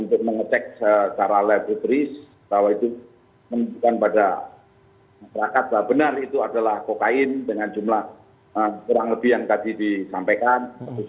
untuk mengecek secara live nutries bahwa itu menunjukkan pada masyarakat bahwa benar itu adalah kokain dengan jumlah kurang lebih yang tadi disampaikan